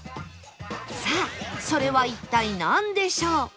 さあそれは一体なんでしょう？